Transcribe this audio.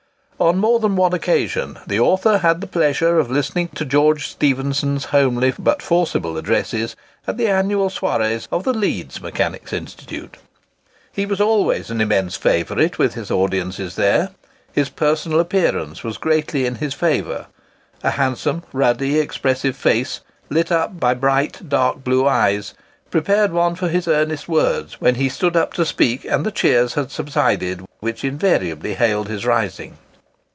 On more than one occasion, the author had the pleasure of listening to George Stephenson's homely but forcible addresses at the annual soirées of the Leeds Mechanics' Institute. He was always an immense favourite with his audiences there. His personal appearance was greatly in his favour. A handsome, ruddy, expressive face, lit up by bright dark blue eyes, prepared one for his earnest words when he stood up to speak and the cheers had subsided which invariably hailed his rising.